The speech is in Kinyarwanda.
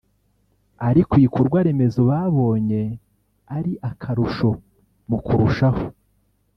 ariko ibikorwaremezo babonye ari akarusho mu kurushaho